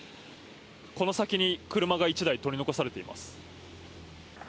この先に車が１台取り残されています。